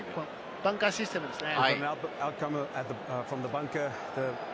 バンカーシステムですね。